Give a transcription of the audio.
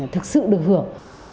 thực sự được hưởng